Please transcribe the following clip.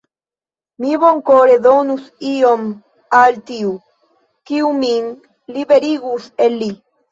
Mi bonkore donus ion al tiu, kiu min liberigus el li.